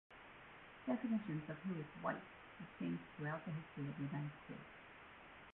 Definitions of who is "White" have changed throughout the history of the United States.